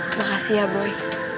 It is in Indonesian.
makasih ya boy